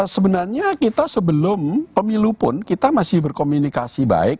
sebenarnya kita sebelum pemilu pun kita masih berkomunikasi baik